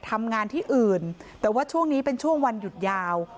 ทำงานที่อื่นแต่ว่าช่วงนี้เป็นช่วงวันหยุดยาว